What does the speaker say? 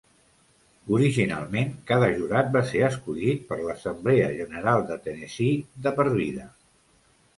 Originalment, cada jurat va ser escollit per l'Assemblea General de Tennessee de per vida.